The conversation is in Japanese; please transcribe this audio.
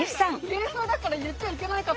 芸風だから言っちゃいけないかと。